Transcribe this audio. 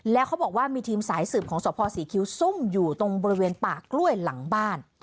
แล้วเขาบอกว่ามีทีมสายสืบของสภศรีคิ้วซุ่มอยู่ตรงบริเวณป่ากล้วยหลังบ้าน